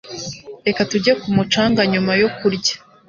Reka tujye ku mucanga nyuma yo kurya.